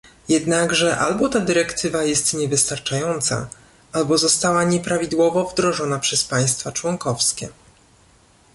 Jednakże albo ta dyrektywa jest niewystarczająca, albo została nieprawidłowo wdrożona przez państwa członkowskie